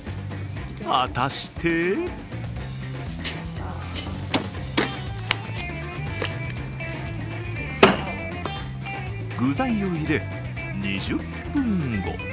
果たして具材を入れ、２０分後。